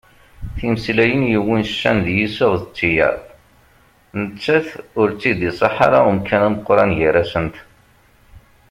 Timeslayin yewwin ccan d yiseɣ d tiyaḍ, nettat ur tt-id-iṣṣaḥ ara umkan ameqqran gar-asent.